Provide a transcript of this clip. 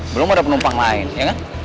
belum ada penumpang lain ya kan